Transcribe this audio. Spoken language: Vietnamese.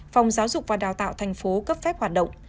phòng giáo dục và đào tạo thành phố cấp phép hoạt động